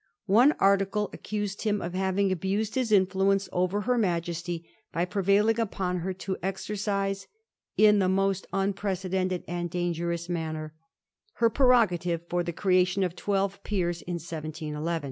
One article accused him of having abused his influence over her Majesty by prevailing upon her to exercise *in the most un precedented and dangerous manner' her prerogative by the creation of twelve Peers in December 1711.